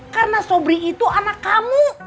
karena sobri itu anak kamu